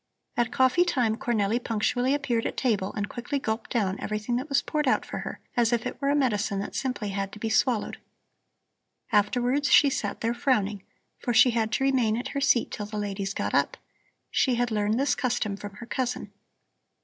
At coffee time Cornelli punctually appeared at table and quickly gulped down everything that was poured out for her, as if it were a medicine that simply had to be swallowed. Afterwards she sat there frowning, for she had to remain at her seat till the ladies got up; she had learned this custom from her cousin.